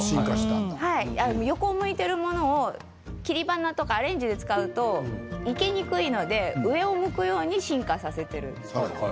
横を向いているものを切り花とかアレンジで使うと生けにくいので上を向くように進化させているんです。